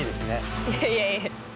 いやいやいや。